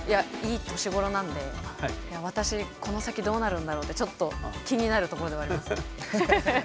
いい年頃なんで私この先どうなるんだろうってちょっと気になるところではありますね。